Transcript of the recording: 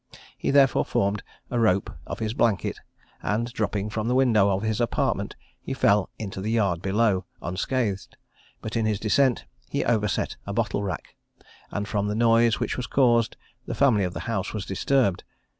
He therefore formed a rope of his blanket, and, dropping from the window of his apartment, he fell into the yard below, unscathed; but in his descent, he overset a bottle rack, and from the noise which was caused, the family of the house was disturbed.